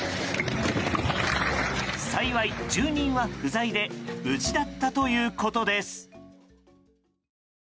幸い、住人は不在で無事だったということです。